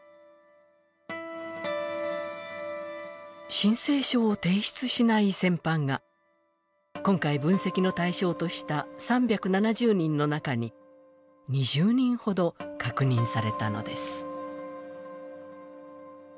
申請書を提出しない戦犯が今回分析の対象とした３７０人の中に２０人ほど確認されたのです。